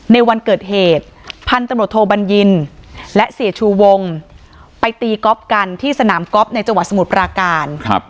ในวันเกิดเหตุพันธุ์ตำรวจโทบัญญินและเสียชูวงไปตีก๊อฟกันที่สนามก๊อฟในจังหวัดสมุทรปราการ